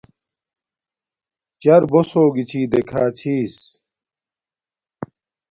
چَر بݸس ہݸگݵ چھݵ دݵکھݳچھݵس.